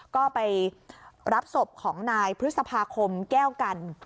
ก็ไปรับศพของนายพฤษภาคมแก้วกัน